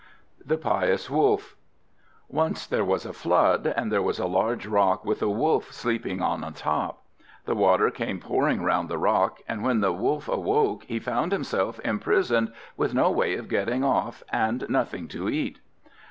THE PIOUS WOLF Once there was a flood, and there was a large rock with a Wolf sleeping on the top. The water came pouring around the rock, and when the Wolf awoke he found himself imprisoned, with no way of getting off, and nothing to eat.